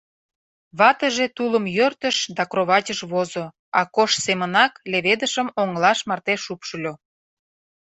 Ватыже тулым йӧртыш да кроватьыш возо, Акош семынак леведышым оҥылаш марте шупшыльо.